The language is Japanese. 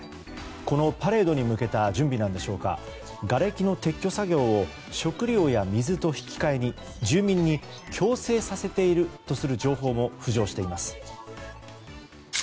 このパレードに向けた準備なのでしょうかがれきの撤去作業を食料や水と引き換えに住民に強制させているとする情報も浮上しています。